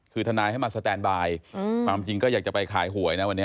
คือทนายให้มาสแตนบายความจริงก็อยากจะไปขายหวยนะวันนี้